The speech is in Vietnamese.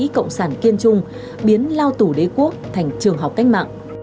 các cộng sản kiên trung biến lao tù đế quốc thành trường học cách mạng